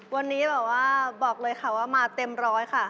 วันนี้แบบว่าบอกเลยค่ะว่ามาเต็มร้อยค่ะ